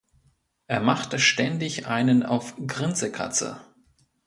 Er machte ständig einen auf Grinsekatze.